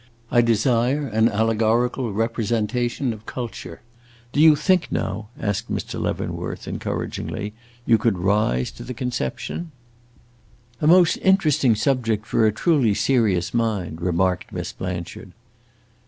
I desire an allegorical representation of Culture. Do you think, now," asked Mr. Leavenworth, encouragingly, "you could rise to the conception?" "A most interesting subject for a truly serious mind," remarked Miss Blanchard.